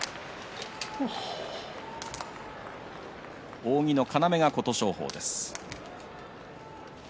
扇の要が琴勝峰です。